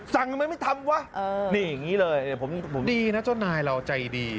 สั่งมันไม่ทำวะเออนี่อย่างงี้เลยเดี๋ยวผมดูดีนะเจ้านายเราใจดี